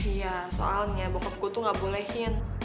iya soalnya bokap gue tuh gak bolehin